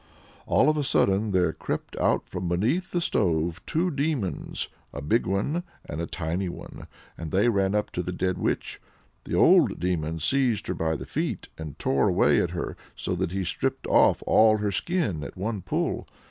All of a sudden there crept out from beneath the stove two demons a big one and a tiny one and they ran up to the dead witch. The old demon seized her by the feet, and tore away at her so that he stripped off all her skin at one pull.